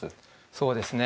そうですね。